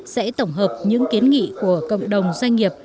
sẽ tổng hợp những kiến nghị của cộng đồng doanh nghiệp